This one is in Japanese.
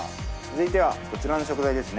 続いてはこちらの食材ですね。